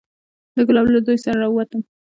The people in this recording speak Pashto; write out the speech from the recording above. د ګلاب له زوى سره راووتم.